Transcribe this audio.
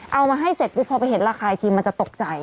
เอามาให้เสร็จปุ๊บพอไปเห็นราคาอีกทีมันจะตกใจ